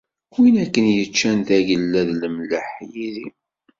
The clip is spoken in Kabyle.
Win akken yeččan tagella d lemleḥ yid-i.